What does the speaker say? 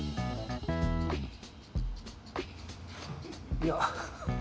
いや。